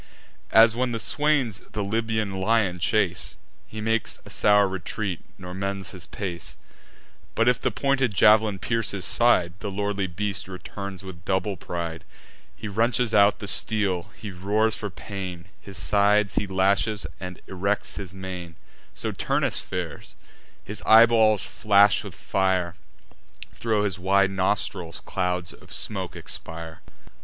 As, when the swains the Libyan lion chase, He makes a sour retreat, nor mends his pace; But, if the pointed jav'lin pierce his side, The lordly beast returns with double pride: He wrenches out the steel, he roars for pain; His sides he lashes, and erects his mane: So Turnus fares; his eyeballs flash with fire, Thro' his wide nostrils clouds of smoke expire.